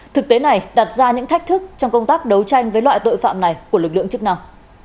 thực tế này đặt ra những thách thức trong công tác đấu tranh với loại tội phạm này của lực lượng chức năng